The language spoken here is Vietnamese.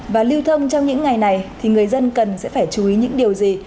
và lưu thông trong những ngày này thì người dân cần sẽ phải chú ý những điều gì